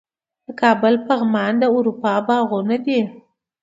د کابل پغمان د اروپا باغونه دي